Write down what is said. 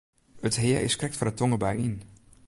It hea is krekt foar de tongerbui yn.